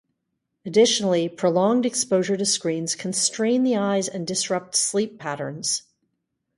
Additionally, prolonged exposure to screens can strain the eyes and disrupt sleep patterns.